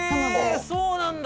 そうなんだ！